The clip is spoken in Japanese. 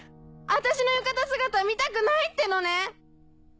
私の浴衣姿見たくないってのね！